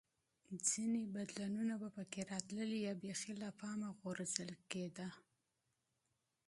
ځیني بدلونونه به په کې راتلل یا بېخي له پامه غورځول کېده